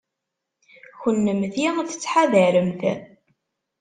Kennemti tettḥadaremt.